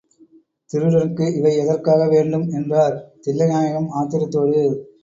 திருடனுக்கு இவை எதற்காக வேண்டும்? என்றார் தில்லைநாயகம் ஆத்திரத்தோடு.